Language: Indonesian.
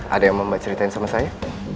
ada yang mau mbak ceritain sama saya